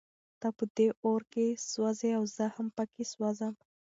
ته په دې اور کې سوزې او زه هم پکې سوزم.